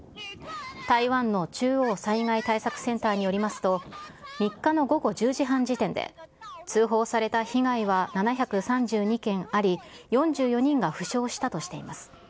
台湾の中央災害対策センターによりますと、３日の午後１０時半時点で、通報された被害は７３２件あり、４４人が負傷したとしています。